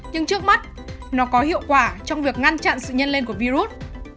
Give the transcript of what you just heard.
nhưng trước mắt nó có hiệu quả trong việc ngăn chặn sự nhân lên của virus